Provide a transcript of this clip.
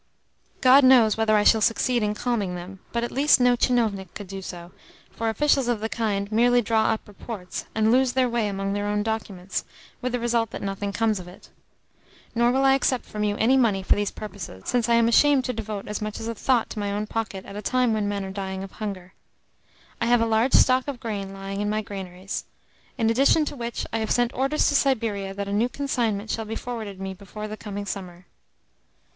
God knows whether I shall succeed in calming them, but at least no tchinovnik could do so, for officials of the kind merely draw up reports and lose their way among their own documents with the result that nothing comes of it. Nor will I accept from you any money for these purposes, since I am ashamed to devote as much as a thought to my own pocket at a time when men are dying of hunger. I have a large stock of grain lying in my granaries; in addition to which, I have sent orders to Siberia that a new consignment shall be forwarded me before the coming summer."